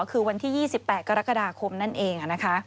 คือวันที่๒๘กรกฎาคมนั่นเอง